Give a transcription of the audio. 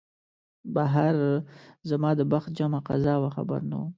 بهر زما د بخت جمعه قضا وه خبر نه وم